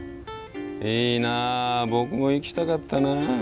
いいな僕も行きたかったな。